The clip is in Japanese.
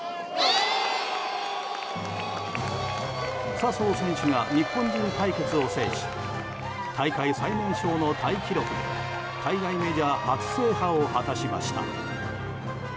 笹生選手が日本人対決を制し大会最年少のタイ記録で海外メジャー初制覇を果たしました。